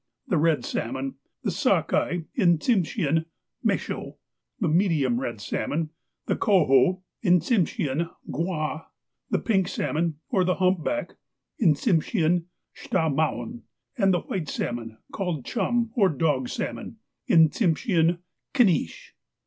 The red salmon, the sock eye (in Tsimshean "mehsho"), the medium red salmon, the cohoe (in Tsimshean "ghua"), the pink salmon, or the humjiback (in Tsimshean " stah maun"), and the white salmon, called "chum," or dog salmon (in Tsimshean "kineesh").